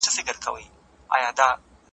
واکمن پوړ تل پر خلکو ظلم نه کوي.